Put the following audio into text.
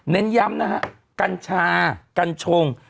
เน้นย้ำนะฮะกัญชากัญชง